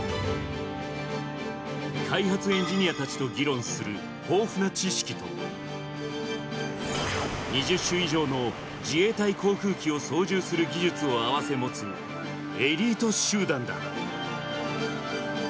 開発エンジニアたちと議論する豊富な知識と、２０種以上の自衛隊航空機を操縦する技術を併せ持つ、エリート集団だ。